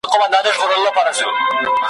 ـ دا ژمنه خو تا تېر کال هم کړې وه زويه!